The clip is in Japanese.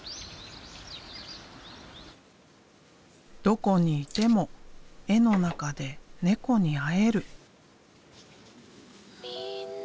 どこにいても絵の中で猫に会える。